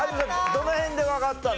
どの辺でわかったの？